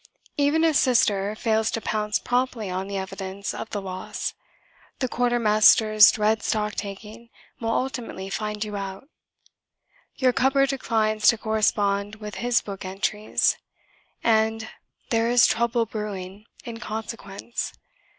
Even if Sister fails to pounce promptly on the evidence of the loss, the quartermaster's dread stocktaking will ultimately find you out. Your cupboard declines to correspond with his book entries. And there is trouble brewing, in consequence.